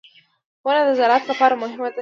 • ونه د زراعت لپاره مهمه ده.